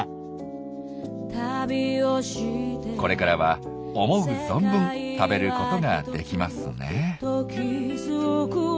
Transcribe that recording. これからは思う存分食べることができますね。